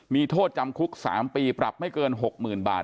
มีโทษจำคุก๓ปีปรับไม่เกิน๖๐๐๐บาท